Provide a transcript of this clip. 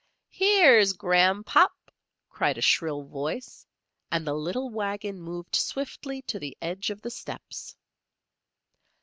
"Here's Gran'pop!" cried a shrill voice and the little wagon moved swiftly to the edge of the steps.